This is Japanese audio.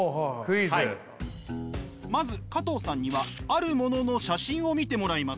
まず加藤さんにはあるものの写真を見てもらいます。